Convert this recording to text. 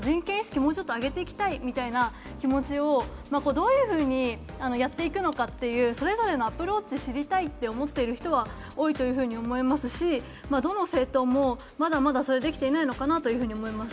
もうちょっと上げていきたいというような気持ちをどういうふうにやっていくのかというそれぞれのアプローチを知りたいと思っている人は多いというふうに思いますし、どの政党も、まだまだできてないのかなと思います。